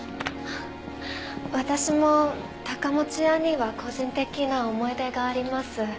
私も高持屋には個人的な思い出があります。